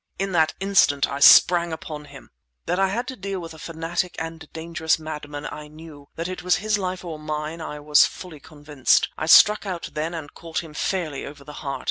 In that instant I sprang upon him! That I had to deal with a fanatic, a dangerous madman, I knew; that it was his life or mine, I was fully convinced. I struck out then and caught him fairly over the heart.